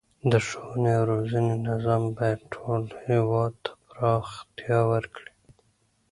د ښوونې او روزنې نظام باید ټول هیواد ته پراختیا ورکړي.